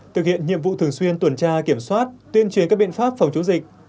thực hiện nhiệm vụ thường xuyên tuần tra kiểm soát tuyên truyền các biện pháp phòng chống dịch